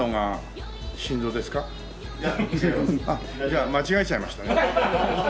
じゃあ間違えちゃいましたね。